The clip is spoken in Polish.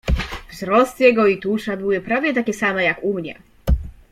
"Wzrost jego i tusza były prawie takie same, jak u mnie."